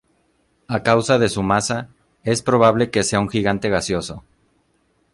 A causa de su masa, es probable que sea un gigante gaseoso.